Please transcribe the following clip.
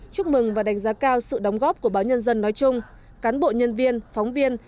chúc mừng và đánh giá cao sự đóng góp của báo nhân dân nói chung cán bộ nhân viên phóng viên